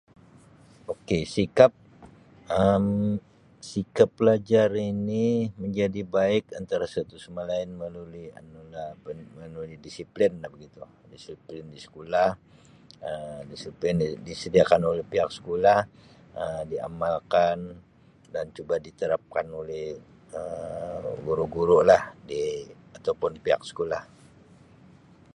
Ok sikap Um sikap pelajar ini menjadi baik antara satu sama lain melalui anu lah apa ini melalui disiplin lah begitu dispilin di sekolah, disiplin disediakan oleh pihak sekolah Um diamalkan dan juga diterapkan oleh Um guru-guru lah di ataupun pihak sekolah.